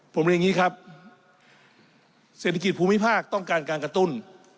ผมเรียนอย่างนี้ครับเศรษฐกิจภูมิภาคต้องการการกระตุ้น